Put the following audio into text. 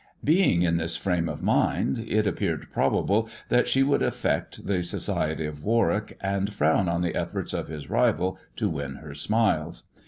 Being in tliii frame of mind, it appeared probable that le would affect the society of Warwick and frown on the Forts of his rival to win her smiles.